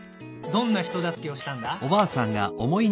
どんなひとだすけをしたんだ？」。